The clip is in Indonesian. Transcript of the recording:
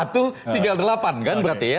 tinggal delapan kan berarti ya